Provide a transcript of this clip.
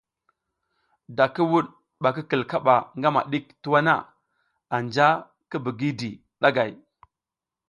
Da ki wuɗ bak i kil kaɓa ngama ɗik tuwa na, anja ki bidi ɗagay.